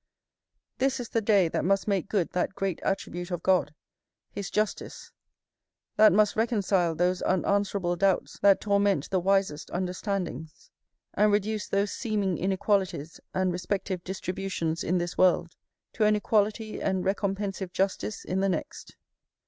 This is the day that must make good that great attribute of God, his justice; that must reconcile those unanswerable doubts that torment the wisest understandings; and reduce those seeming inequalities and respective distributions in this world, to an equality and recompensive justice in the next.